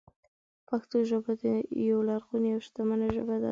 پښتو ژبه یوه لرغونې او شتمنه ژبه ده.